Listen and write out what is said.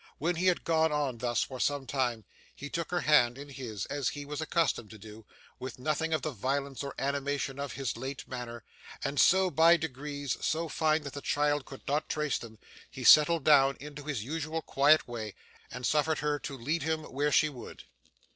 When he had gone on thus for some time, he took her hand in his as he was accustomed to do, with nothing of the violence or animation of his late manner; and so, by degrees so fine that the child could not trace them, he settled down into his usual quiet way, and suffered her to lead him where she would.